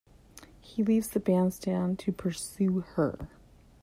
He leaves the bandstand to pursue her.